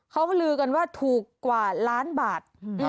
เขาลือกันว่าถูกกว่าล้านบาท